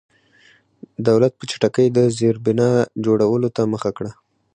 دولت په چټکۍ د زېربنا جوړولو ته مخه کړه.